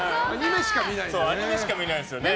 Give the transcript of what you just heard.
アニメしか見ないんですよね。